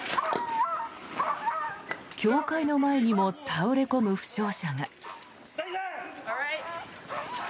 教会の前にも倒れ込む負傷者が。